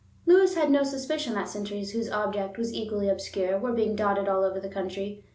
Lewis had no suspicion that sentries whose object was equally obscure were being dotted all over the country.